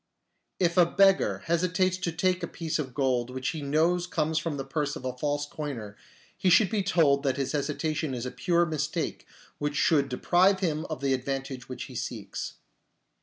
If a beggar hesitates to take a piece of gold which he knows comes from the purse of a false coiner, he should be told that his hesitation is a pure mistake which would deprive him of the advantage which he seeks.